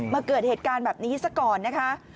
เกิดเหตุการณ์แบบนี้ซะก่อนนะคะ